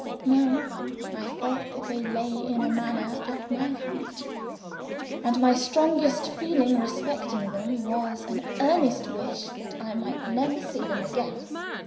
Now I felt that they lay in a manner at my feet, and my strongest feeling respecting them was an earnest wish that I might never see them again.